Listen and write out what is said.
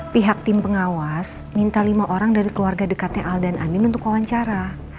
pihak tim pengawas minta lima orang dari keluarga dekatnya al dan andin untuk wawancara